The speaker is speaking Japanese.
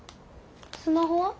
スマホは？